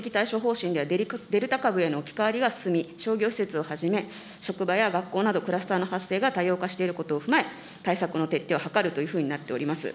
８月５日に変更された基本的対処方針では、デルタ株への置き換わりが進み、商業施設をはじめ、職場や学校などクラスターの発生が多様化していることも踏まえ、対策の徹底を図るというふうになっております。